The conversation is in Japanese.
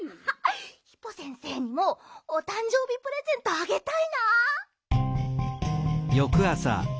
ヒポ先生にもおたんじょうびプレゼントあげたいな。